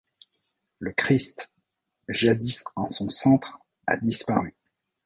Le Christ jadis en son centre a disparu.